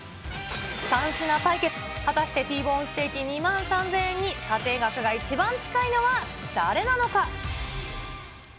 ３品対決、果たしてＴボーンステーキ、２万３０００円に査定額が一番近いのは誰なのか。